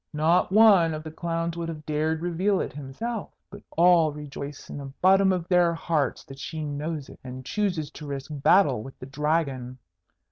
Not one of the clowns would have dared reveal it himself, but all rejoice in the bottom of their hearts that she knows it, and chooses to risk battle with the Dragon.